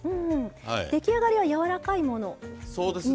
出来上がりはやわらかいものになるまで。